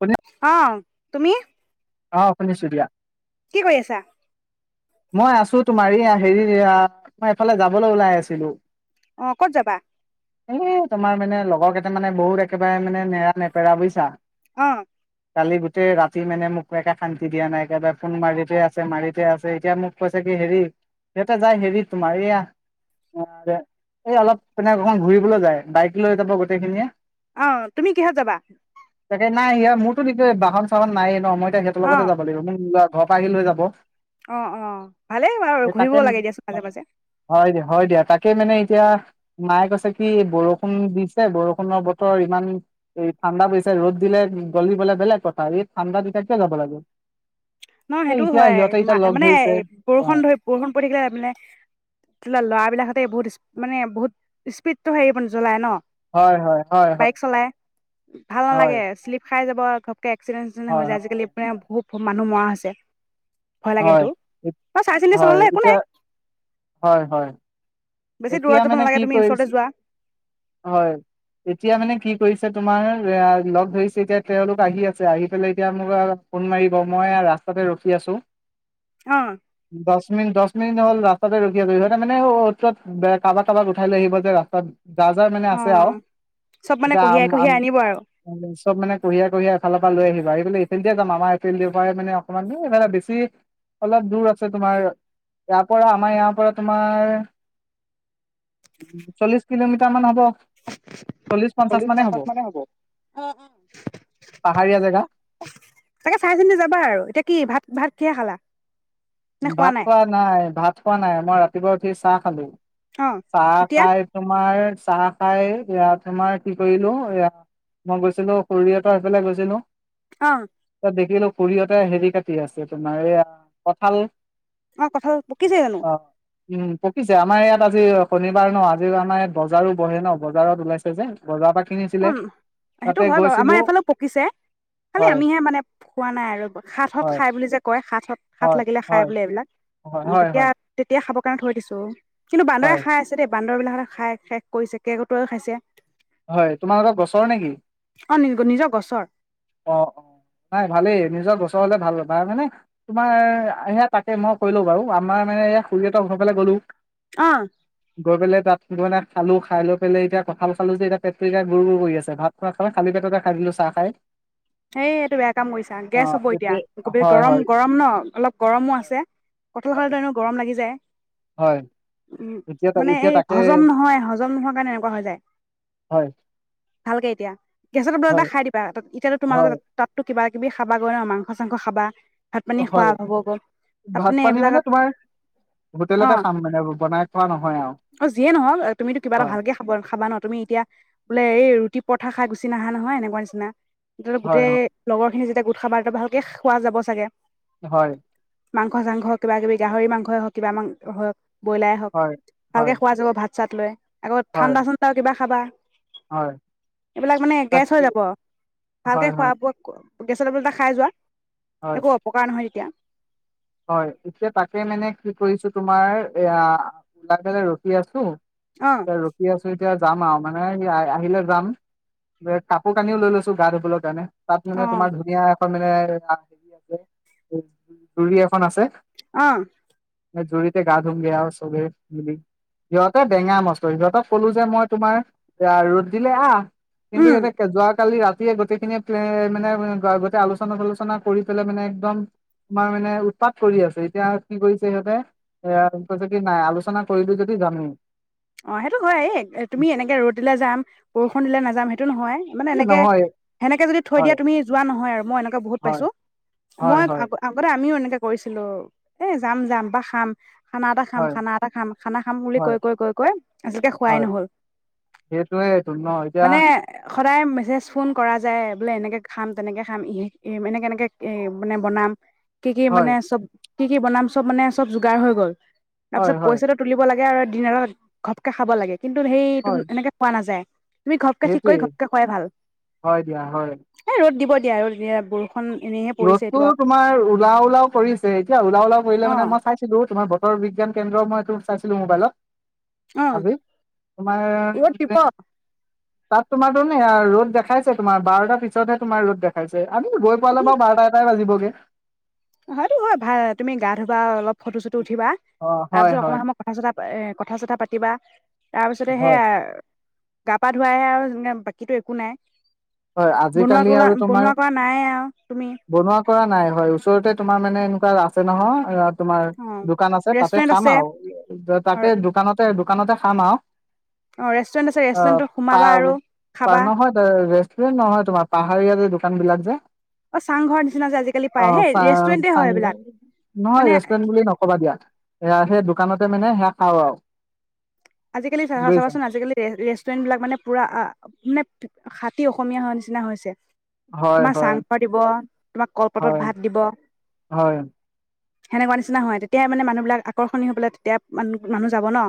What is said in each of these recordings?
শুনি অহ তুমি অ শুনিছো দিয়া কি কৰি আছা মই আছো তোমাৰ হেৰি মই এফালে যাবলৈ ওলাই আছিলো অ ক'ত যাবা এ তোমাৰ মানে লগৰ কেইটা মানে বহুত একেবাৰে মানে নেৰা নেপেৰা বুজিছা অ কালি গোটেই ৰাতি মানে মোক একে শান্তি দিয়া নাই একেবাৰে ফোন মাৰিতে আছে মাৰিতে আছে এতিয়া মোক কৈছে কি হেৰি সিহঁতে যাই হেৰি তোমাৰ এইয়া এই অলপ তেনে [unintelligible] ঘুৰিবলৈ যায় বাইক লৈ যাব গোটেই খিনিয়ে অঁহ তুমি কিহত যাবা তাকে নাই সিয়া মোৰতো নিজৰ বাহন চাহন নায়েই ন মই ত সিহঁতৰ অ লগতে যাব লাগিব ঘৰৰ পৰা আহি লৈ যাব অ অ ভালেই বাৰু এই তাকে ঘূৰিবও লাগে দিয়াচোন অ মাজে মাজে হয় দিয়া হয় দিয়া তাকে মানে এতিয়া মায়ে কৈছে কি বৰষুণ দিছে বৰষুণৰ বতৰ ইমান এই ঠাণ্ডা পৰিছে ৰ'দ দিলে গলিবলে বেলেগ কথা এই ঠাণ্ডা এতিয়া কিয় যাব লাগে ন এ সেইটোও এতিয়া হয় সিহঁতে এতিয়া লগ মানে ধৰিছে অ বৰষুণ ধৰি বৰষুণ পৰি থাকিলে ত মানে ত ল'ৰাবিলাক বহুত মানে বহুত স্পীডতটো হেৰি জ্বলাই ন হয় হয় হয় বাইক চলাই ভাল হয় নালাগে শ্লিপ খাই যাব [unintelligible] এক্সিডেণ্টত হয় [unintelligible] আজিকালি হয় [unintelligible] মানুহ মৰা চে হয় হয় একো নাই এতিয়া হয় হয়। বেছি এতিয়া দূৰত যাব মানে নালাগে কি তুমি ওচৰতে কৰিছে যোৱা হয় এতিয়া মানে কি কৰিছে। তোমাৰ লগ ধৰিছে এতিয়া তেওঁলোক আহি আছে আহি পেলাই এতিয়া মোক ফোন মাৰিব মই ৰাস্তাতে ৰখি আছো। অ দচ মিনিন দহ দহ মিনিট হ'ল ৰাস্তাতে ৰখা সিহতে মানে কাৰোবাক কাৰোবাক উঠাই লৈ আহিব যে ৰাস্তাত, যাৰ যাৰ মানে অ আছে আৰু চব মানে এতিয়া কঢ়িয়াই আম আ কঢ়িয়াই আনিব আৰু চব মানে কঢ়িয়া কঢ়িয়া এফালৰ পৰা লৈ আহিবা এই, এইফিলড যাম আমাৰ এইফিলডৰ পৰাই মানে অকমান এইফালে বেছি অলপ দূৰ আছে তোমাৰ ইয়াৰ পৰা আমাৰ ইয়াৰ পৰা তোমাৰ, চল্লিশ কিলোমিটাৰ মান হব। চল্লিশ পঞ্চশ মানে হব পাহাৰীয়া জেগা তাকে চাই চিন্ত যাবা আৰু এতিয়া কি ভাত। ভাত কিহে খালা। ভাত খোৱা নাই ভাত খোৱা নাই মই ৰাতিপুৱা। ওথি চাহ খালো। অ চাহ এতিয়া খায় তোমাৰ। চাহ খাই এয়া তোমাৰ কি কৰিলো এয়া মই গৈছিলো খুৰি সতৰ সেইফালে গৈছিলো। আহ তাত দেখিলো খুুৰিহতে হেৰি কাটি আছে তোমাৰ এইয়া ভাল অ কঁঠাল পকিছে জানোঁ উম পকিছে আমাৰ ইয়াত আজি শনিবাৰ ন আজি আমাৰ ইয়াত বজাৰো বহে ন বজাৰত ওলাইছে যে বজাৰৰ পৰা অ কিনিছিলে সেইটো তাতে হয় বাৰু গৈছিলো আমাৰ এইফালে পকিছে খালি হয় আমিহে মানে খোৱা নাই আৰু সাত হত হয় খাই বুলি যে কয় সাত চ হাত হয় লাগিলে খাই হয় বোলে এইবিলাক হয় হয় তেতিয়া হয় তেতিয়া খাব তোকাৰণে থৈ দিছোঁ কিন্তু বানদৰে হয় খাই আছে দেই বান্দৰ বিলাকেও খাই শেষ কৰিছে, কেৰকেটোৱায়েও খাইছে। হয় তোমাৰ লগত গছৰ নেকি। অ, নিজ নিজৰ গছৰ। অ - অ নাই ভালেই নিজৰ গছৰ হলে ভাল-ভাল মানে তোমাৰ এয়া তাকে মই কৰিলো বাৰু আমাৰ মানে খুৰীহতৰ ঘৰৰ ফালে গ'লো। অ গৈ পেলাই তাত কিবা এটা খালো খাই লৈ পেলাই এতিয়া কঠাল খালো যে এতিয়া পেটটো একে গুৰ - গুৰ কৰি আছে। ভাত খোৱা নাই, খালি পেটতে খাই দিলো চাহ খাই। হেই এইটো বেয়া কাম কৰিছা। অ গেছ হব এতিয়া হয় গৰম হয় - গৰম ন অলপ গৰমো হয় আছে। কঠাল হয় খালে এনেওটো গৰম লাগি যায়। হয়। এতিয়া মানে এতিয়া এই তাকে হজম নহয়, হজম নোহোৱা কাৰণে এনেকুৱা হৈ যায়। হয় ভালকে দিয়া গেছৰ টেবলেট হয় এটা খাই দিবা। তাত এতিয়াতো তোমালোকৰ হয় তাত কিবা কিবি খাবাগৈ ন, মাংস চাংস খাবা। ভাত পানী খোৱা হয় হ'ব গৈ। তাত ভাত মানে পানী এইবিলাক। তোমাৰ অ হোটেলতে খাম মানে বনাই খোৱা নহয় আৰু অ যিয়ে নহওঁক, তুমিতো কিবা এটা হয় ভালকে খাব খাবা ন? তুমি এতিয়া বোলে এই ৰুটী পৰথা খাই গুচি নাহা নহয়, এনেকুৱা নিচিনা। ধৰি লোৱা হয় গোটেই হয় লগৰ খিনি যেতিয়া গোট খাবাটো, ভালকে খোৱা যাব চাগে হয় মাংস চাংস কিবা কিবি গাহৰি মাংসই হওঁক কিবা মাংসই হওঁক ব্ৰইলাৰে হওক, হয় হয় ভালকে খোৱা যাব ভাত চাট লৈ আকৌ হয় ঠাণ্ডা চাণ্ডা কিবা খাবা হয় এইবিলাক মানে গেছ হৈ তাকে যাব ভালকে হয় হয় খোৱা বোৱাত গেচৰ টেবলেট এটা খাই যোৱা হয় একো অপকাৰ নহয় তেতিয়া হয় এতিয়া তাকে মানে কি কৰিছো তোমাৰ এয়া ওলাই পেলাই ৰখি আছো অ তে ৰখি আছো এতিয়া যাম আৰু মানে আহিলে যাম। কাপোৰ কানিও লৈ লৈছোঁ গা ধুবৰ কাৰণে তাত মানে অ তোমাৰ ধুনীয়া এখন মানে [unintelligible] [unintelligible] খন আছে। অ জুৰিতে গা ধুমগে আৰু চবে মিলি। সিহঁতে বেঙা মস্ত, সিহঁতক ক'লো যে মই তোমাৰ ৰ'দ দিলে আহ কিন্তু, উম সিহঁতে যোৱাকালি ৰাত গোটেইখিনি মানে গোটেই আলোচনা চাটলোচনা কৰি পেলাই মানে একদম। তোমাৰ মানে উৎপাত কৰি আছে এতিয়া কি কৰিছে সিহঁতে এ যদি নাই আলোচনা কৰিলোঁ যদি জামেই। অ' সেইটো হয় তুমি এনেকে ৰ'দ দিলা যাম বৰষুণ দিলে নায, টো নহয় মানে। এনেকে নহয় সেনেকে যদি থৈ হয় দিয়া তুমি যোৱা নহয় আৰু মই এনেকুৱে বহুত হয় পাইছো হয় মই হয় আগতে আমিও এ কৰিছিলো এ যাম যাম বা খাম, খানা এটা খাম, হয় খানা এটা খাম, খানা খাম, বুলি হয় কৈ কৈ কৈ আজিলৈকে খোৱাই হয় নহল। সেইটোৱেইটো ন এতিয়া মানে সদায় মেছেজ ফোন কৰা যায় বোলে এনেকে খাম তেনেকে খাম এনেকে এনেকে এ মানে বনাম। কি কি হয় মানে চব কি কি বনাম চব মানে চব যোগাৰ হৈ গ'ল। হয় তাৰপিছত হয় পইচাটো তুলিব লাগে আওঁ [unintelligible] ঘপকে খাব লাগে। কিন্তু সেইটো হয় এনেকৈ খোৱা নাযায়। তুমি ঘপকে ঠিক কৰি সেইটোৱেই ঘপকে খুৱাই ভাল। হয় দিয়া এ ৰ'দ দিব আৰু বৰষূণ। এনেহে পৰিছে ৰ'দতো এইটো তোমাৰ ওলা ওলাওছে এতিয়া ওলা ওলাও কৰিলে অ মানে মই চাইছিলো তোমাৰ বতৰ বিজ্ঞান, কেন্দ্ৰ মই এইটো চাইছিলো মোবাইলত। অ আবি তোমাৰ, ৰ'দ দিব তাত তোমাৰতো নে ৰ'দ দেখাইছে তোমাৰ বাৰটা পিছতহে তোমাৰ ৰ'দ দেখাইছে। আমি গৈ পালে বাৰু। এ টাই বাজিব গে হয়টো হয় ভাল তুমি গা ধুবা অলপ ফটো চুট উঠিবা অ হয় তাৰপিছত হয় অকণমান সময় কথা চথা এ কথা চথা পাতিবা। তাৰপিছতে হয় সেয়া, গা পা ধুৱাইে আওঁ বাকী একো নাই। হয় বনোৱা আজিকালি কলা আৰু বনোৱা তোমাৰ। কৰা নাই আৰু তুমি বনোৱা কৰা নাই হয় ওচৰতে। তোমাৰ মানে এনেকুৱা আছে নহয়, তোমাৰ অ দোকান আছে তাতে ৰেষ্টুৰেণ্ট খাম আছে আৰু তাতে দোকানতে দোকানতে খাম আওঁ। অ' ৰেষ্টুৰেণ্ট আছে ৰেষ্টুৰেণ্টত সোমাবা আৰু পা খাবা। নহয় [unintelligible] নহয় তোমাৰ পাহাৰীয়া যে দোকানবিলাক যে। অ', অ চাংঘৰ নিচিনা যে আজিকালি পায় সেই ছা ৰেষ্টুৰেণ্টে হয় চাং, এইবিলাক মানে নহয় ৰেষ্টুৰেন্ট বুলি নকবা দিয়া, সেয়া সেই দোকানত। মানে সেয়া খাওঁ আৰু। আজিকালি বুজিছা চা-চাবাচোন আজালি ৰেষ্টুৰেন্টবিলাক মানে পুৰা খাটি অসমীয়া হোৱা নিচিনা হৈছে। হয় তোমাক হয় চাং পা দিব, তোমাক কলপাতত হয় ভাত দিব। হয় সেনেকুৱা নিচিনা হয় তেতিয়া মানে মানুহবিলাক আকৰ্ষণীয় হৈ পাই তেতিয়া মানুহ যাব ন'।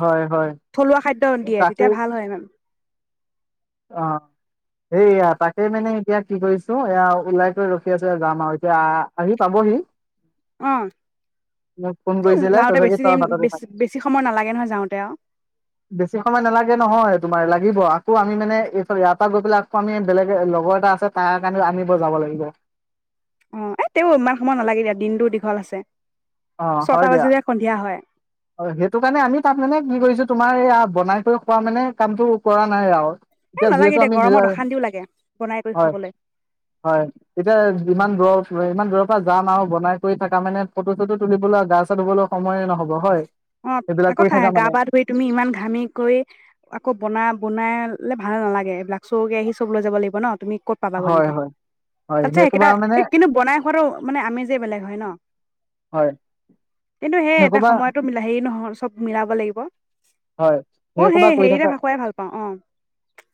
হয় হয় থলুৱা খাদ্য দিয়ে তেতিয়া তাকেই ভাল হয় ন'। অ', সেইয়া তাকে মানে এয়া কি কৰিছো এয়া ওলাই গৈ ৰখি আছো যাম আৰু এতিয়া আহ আহি পাবহি। অ মোক ফোন কৰিছিলে যাওঁতে বেছি [unintelligible] তই টাইম বাটতে থাক, বেছি বেছি সময় নালাগে নহয় যাওঁতে আৰু বেছি সময় নালাগে নহয় তোমাৰ লাগ [unintelligible] আকৌ আমি মানে এইফালে ইয়াৰ পৰা গৈ পেলাই আকৌ আমি বেলেগ লগৰ এটা আছে তাৰ কাৰণেও আনিব যাব লাগিব। অ, এ তেওঁ ইমান সময় নালাগে দিয়া দিনটো দীঘল আছে। অ ছটা হয় দিয়া বাজিলে সন্ধিয়া হয়। অ, এই সেইটো কাৰণে আমি তাত মানে কি কৰিছো তোমাৰ এইয়া বনাই কৰি খোৱা মানে কামটো কৰা নাই আৰু। এ এতিয়া নালাগে যিহেতু দিয়া আমি [unintelligible] গৰমত অশান্তিও লাগে বনাই কৰি হয়- খাবলৈ হয় এতিয়া যিমান [unintelligible] [unintelligible] ইমান দূৰৰ পৰা যাম আৰু বনাই কৰি থাকা মানে ফটো-চটো তুলিবলৈ গা চা ধুবলৈ সময়ে নহব হয়? অ, সেইবিলাক আক কৰি থা থাকা গা মানে পা ধুই তুমি ইমান ঘামি কৰি আকৌ বনা- বনাই [unintelligible] ভালে নালাগে এইবিলাক চওকে আহিব লৈ যাব লাগিব ন' তুমি ক'ত পাবাগৈ হয় এনেকে হয় হয় আচছা সেই সোপা সেইকেইটা মানে এই কিন্তু বনাই খোৱাটো মানে আমেজেই বেলেগ হয় ন? হয় কিন্তু সেই এটা সময়ত এ নহল চব মিলাব লাগিব। হয় অ' সেই সোপা কৰি হেৰিতে থাকা ভাখুৱাই ভাল পাওঁ অ'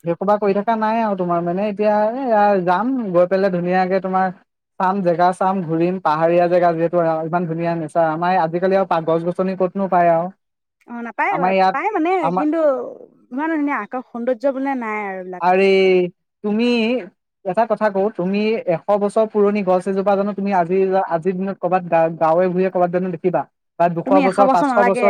সেই সোপা কৰি থাকা নাই আৰু তোমাৰ মানে এতিয়া এইয়া যাম গৈ পেলাই ধুনীয়াকে তোমাৰ চাম জেগা চাম ঘুৰিম পাহাৰীয়া জেগা যিহেতু আৰু ইমান ধুনীয়া নেচাৰ এই আমাৰ আজিকালি আৰু পাত গছ- গছনি ক'তনো পায় আৰু। অ, নাপ আমাৰ ইয়াত পায়-পায় মানে আমাৰ কিন্তু ইমান ধুনীয়া আকৌ সৌন্দৰ্য বোলে নাই আৰু এইবিলাক। আৰে তুমি এটা কথা কওঁ তুমি এশ বছৰ পুৰণি গছ এজোপা জানো তুমি আজি -আজিৰ দিনত ক'বাত গা- গাঁৱে ভূঞে ক'বাত জানো দেখিবা? বা দুশ তুমি এশ বছৰ পাঁচশ নালাগে,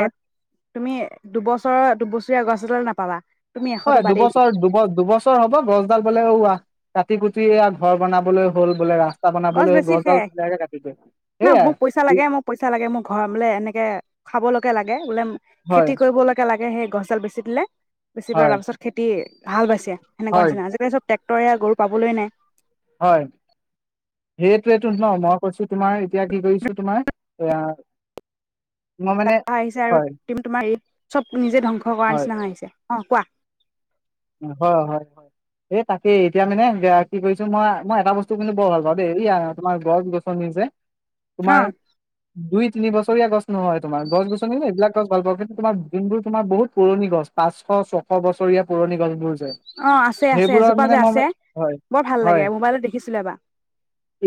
তুমি দুবছৰৰ দুবছৰীয়া গছ এডাল নাপাবা। তুমি এশটো হয় বাদেই দিয়া দুবছৰ দুব দুবছৰ হব গছডাল বোলে ওৱা কাটি কুটিয়া ঘৰ বনাবলৈ হ'ল বোলে ৰাস্ত গছ বেছি শে না সেইয়াই মোক পইচা লাগে, মোৰ পইচা লাগে মোৰ ঘৰ বোলে এনেকে খাবলৈকে লাগে। বোলে হয় খেতি কৰিবলকে লাগে। সেই গছডাল বেছি দিলে। বেছি পৰা হয় তাৰপিছত খেতি হাল বাইছে সেনেকুৱা হয় নিচিনা আজিকালি চব। ট্ৰেক্টৰে গৰু পাবলে নাই। হয় সেইটোৱেটো ন, মই কৈছো তোমাৰ এতিয়া কি কৰিছো তোমাৰ এয়া মই মানে আহিছে আৰু হয় তম তোমাৰ এই চব নিজে ধ্বংস কৰাৰ নিচিনা হৈ আহিছে। অ' কোৱা? হয়-হয়-হয়। এই তাকেই এতিয়া মানে কি কৰিছো মই মই এটা বস্তু কিন্তু বৰ ভাল পাওঁ দেই এই তোমাৰ গছ গছনি যে, অ তোমাৰ দুই তিনি বছৰীয়া গছ নহয় তোমাৰ গছ গছনি ন এইবিলাক গছ গাল পাওঁ কিন্তু তোমাৰ দিনবোৰ তোমাৰ বহুত পুৰণি গছ পাঁচশ ছশ বছৰীয়া। পুৰণি [unintelligible] অ আছে আছে সেইবোৰ এজোপা মানে যে মই আছে বৰ ভাল লাগে হয়-হয়, মোবাইলত দেখিছিলো এবাৰ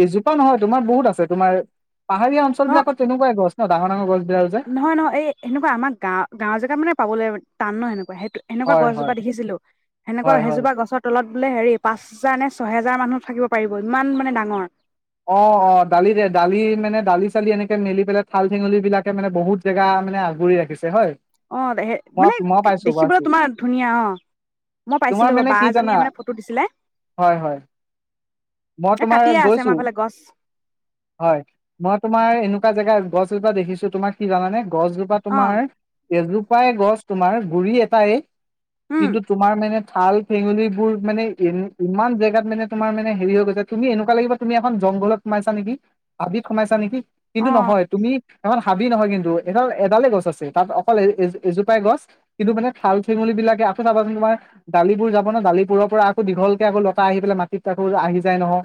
এজোপা নহয় তোমাৰ বহুত আছে। তোমাৰ। পাহাৰীয়া অ অঞ্চলবিলাকত তেনেকুৱায়ে গছ। অ' ডাঙৰ ডাঙৰ গছ। বিলাক যে নহয় নহয় এই সেনেকুৱা আমাৰ গাও গাওৰ জেগাত মানে পাবলৈ। টান ন এনেকুৱা সেই। সেনেকুৱা হয় হয় গছজোপা দেখিছিলোঁ। সেনেকুৱা হয় হয় সেইজোপা গছত ত তলত বোলে হেৰি পাঁচ হেজাৰ নে ছয় হেজাৰ মানুহ থাকিব পাৰিব ইমান মানে ডাঙৰ। অ', অ' দালি যে দালি মানে দালি চালি এনেকে মেলি পেলাই থাল ঠেঙলী বিলাকে মানে বহুত জেগা মানে আগুৰি ৰাখিছে হয়। অ'হ মই মানে মই পাইছো পাইছো দেখিবলৈ তোমাৰ ধুনীয়া অহ' মই তোমাৰ পাইছিলোঁ মানে বা কি জানা এজনীয়ে মানে ফটো দিছিলে। হয় হয় মই এ তোমাৰ কাটিয়ে আছে গৈছো। আমাৰ ফালে গছ হয়, মই তোমাৰ এনেকুৱা জেগা গছএজোপা দেখিছ। ছো তোমাক কি জানানে? গছজোপা অ তোমাৰ। এজোপাই গছ তোমাৰ গুৰি এটায়ে। উম কিন্তু তোমাৰ মানে। থাল ফেঙুলিবোৰ মানে এ ইমান জেগাত মানে তোমাৰ মানে হেৰি তুমি এনেকুৱা লাগিব তুমি এখন জংঘলত সোমাইছা নেকি, আবিত সোমাইছা নেকি। অ কিন্তু নহয় তুমি এখন হাবি নহয় কিন্তু এডাল এডালে গছ আছে তাত অকল এ এজোপাই গছ কিন্তু মানে থাল থেঙলি বিলাকে আকৌ চাবাচোন তোমাৰ দালিবোৰ যাব ন দালিবোৰৰ পৰা আকৌ দীঘলকে আকৌতা আহি পেলাই মাটিত আকৌ আহি। যাই নহয়।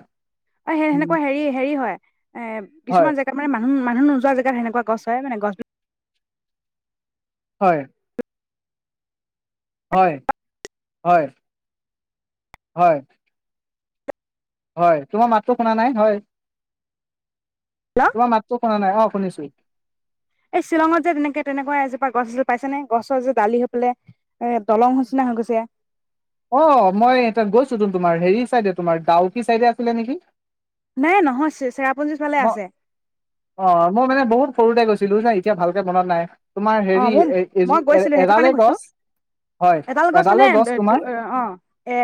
অ' সেই উম, সেনেকুৱা হেৰি হেৰি হয় এ হয় কিছুমান জেগাত মানে মানুহ মানুহ নোযোৱা জেগাত সেনেকুৱা গছ হয় মানে গছ। হয়। হয় হয়! হয়। হয়। তোমাৰ মাতটো শুনা নাই, হয়। বিলাক তোমাৰ মাতটো শুনা নাই। অ', শুনিছো। এই শ্বিলঙত যে তেনেকে তেনেকুৱা এজোপা গছ এজ পাইছেনে? গছৰ যে দালি হৈ পেলাই এ দলং নিচিনা হৈ গৈছে। অ', মই তাত গৈছো তোন তোমাৰ হেৰি চাইডে তোমাৰ [unintelligible] কি চাইডে আছিলে নেকি? নাই, নহয়, চেৰা ম, অ। মই মানে বহুত সৰুতে গৈছো। [unintelligible] যে এতিয়া ভালকে মনত নাই। তোমাৰ হেৰি অ, মোৰ এ এজো মই এ গৈছিলো সেইটো এডালে কাৰণে কৈছোঁ। গছ হয়, এডাল গছ এডালে মানে দু তোমাৰ অ এ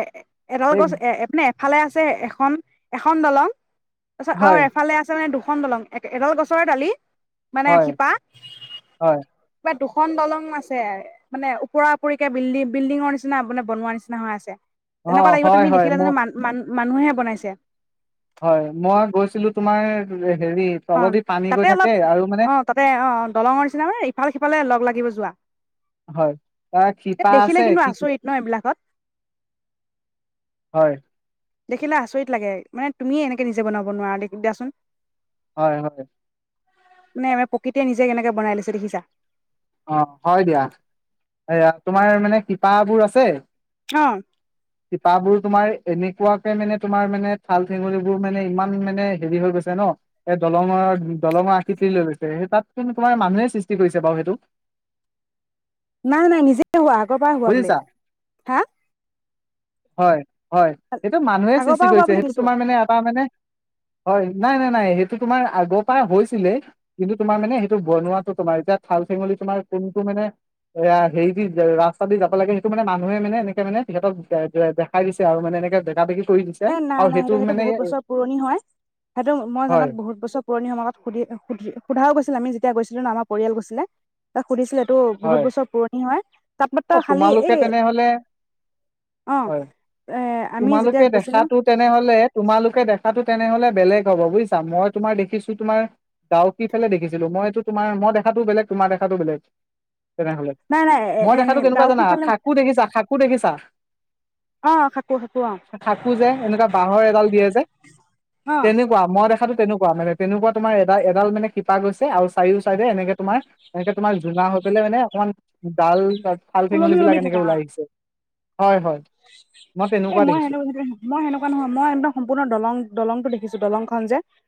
এডাল এই গছ এ এফালে আছে। [unintelligible] এখন, এখন দলং। তাৰপছত হয়, আৰু এফালে আছে মানে দুখ খন দলং। এক এডাল গছৰে দালি। মানে হয়, শিপা। হয়, দুখন দলং আছে মানে ওপৰা উপৰিকে বিল্ডিং, বিল্ডিঙৰ নিচিনা মানে বনোৱা নিচিনা হৈ আছে। তেনেকুৱা অ', লাগিব হয়, তুমি হয়, দেখিলে মোৰ যেনিবা মান মান মানুহে বনাইছে। হয়, মই গৈছিলো তোমাৰ হেৰি অ', তলদি পানী গৈ তাতে থাকে অলপ আৰু মানে অ তাতে অ দলঙৰ নিচিনা মানে ইফাল সিফালে লগ লাগিব যোৱা। হয়, তাৰ শিপা দেখিলে আছে কিন্তু কি আচৰিত ন এইবিলাকত। হয়। দেখিলে আচৰিত লাগে। মানে তুমি এনেকে নিজে বনাব নোৱাৰা দে দিয়াচোন। হয়, হয়। মানে আমি প্ৰকৃতিয়ে নিজেই কেনেকে বনাই দিছে দেখিছা। অ', হয় দিয়া। এয়া, তোমাৰ মানে শিপাবোৰ আছে। অ শিপাবোৰ তোমাৰ এনেকুৱাকে মানে তোমাৰ মানে ঠাল-ঠেঙুলিবোৰ মানে ইমান মানে হেৰি হৈ গৈছে ন, এ দলঙৰ দলঙৰ আকৃতি লৈ লৈছে। তাত কিন্তু তোমাৰ মানুহেই সৃষ্টি কৰিছে বাৰু সেইটো। নাই নাই নিজেই হোৱা, আগৰ পৰাই হোৱা বোলে। বুজিছা হা হয়। হয়। সেইটো মানুহে আগৰ সৃষ্টি পৰা হোৱা কৰিছে বুলি সেইটো কৈছো তোমাৰ মানে এটা মানে, হয়। নাই নাই নাই সেইটো তোমাৰ আগৰ পৰা হৈছিলে, কিন্তু তোমাৰ মানে সেইটো বনোৱাটো তোমাৰ, এতিয়া ঠাল-ঠেঙুলি তোমাৰ কোনটো মানে এ হেৰি দি ৰাস্তা দি যাব লাগে, সেইটো মানে মানুহে মানে এনেকে মানে সিহতক দেখাই দিছে আৰু মানে এনেকে বেকা-বেকী হেই নাই নাই সেইটো, সেইটো বহুত বছৰ পুৰণি হয়। সেইটো মই হয় জনাত বহুত বছৰ পুৰণি [unintelligible] সুধি সুধি সোধাও গৈছে। আমি যেতিয়া গৈছিলো ন, আমাৰ পৰিয়াল গৈছিলে, তাক সুধিছিলে টো বহুত হয় বছৰ পুৰণি হয় তাতমাত্ৰ অ খালি তোমালোকে এই, তেনেহলে অ', হয় এ আমি যেতিয়া তোমালোকে গৈছিলো দেখাতো তেনেহ'লে, তোমালোকে দেখাতো তেনেহ'লে বেলেগ হ'ব বুজিছা। মই তোমাৰ দেখিছো তোমাৰ দাওকি ফালে দেখিছিলো। মইতো তোমাৰ, মই দেখাতটোও বেলেগ তোমাৰ দেখাতটোও বেলেগ। তেনেহলে নাই নাই মই এ দেখাতো কেনেকুৱা ডাউকি জানা ফালে খাকো দেখিছা খাক কোঠ কি ছাৰ অ খাকো খাকো অ থাকো যে এনেকুৱা বাঁহৰ এডাল দিয়ে যে অ তেনেকুৱা মই দেখাতো তেনেকুৱা মানে তেনেকুৱা তোমাৰ এডাল এডাল মানে শিপা গৈছে আৰু চাৰিও চাইডে এনেকে তোমাৰ এনেকে তোমাৰ জোঙা হৈ পেলাই মানে অকমান ডাল হাল ওলমি ফেঙুলিব ওলমি বিক এনেকে থাকা অ ওলাই আহিছে হয় হয় মই এ তেনেকুৱা মই দেখিছো সেনো মই সেনেকুৱা নহয় মই একদম সম্পূৰ্ণ দলং দলং দেখিছো দলংখন যে